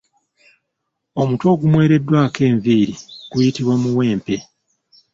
Omutwe ogumwereddwako enviiri guyitibwa muwempe.